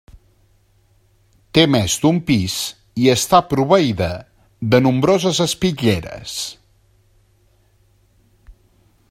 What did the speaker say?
Té més d'un pis i està proveïda de nombroses espitlleres.